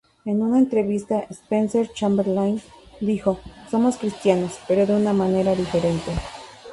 En una entrevista, Spencer Chamberlain dijo: "Somos Cristianos, pero de una manera diferente.